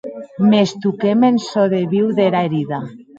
Mès toquem en çò de viu dera herida.